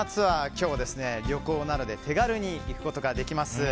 今日は旅行などで手軽に行くことができます